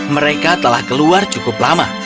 mereka telah keluar cukup lama